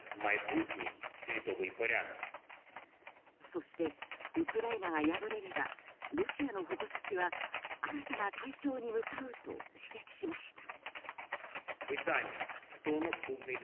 そして、ウクライナが敗れればロシアの矛先は新たな対象に向かうと指摘しました。